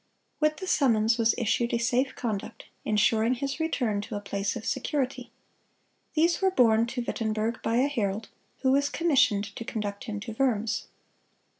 With the summons was issued a safe conduct, insuring his return to a place of security. These were borne to Wittenberg by a herald, who was commissioned to conduct him to Worms.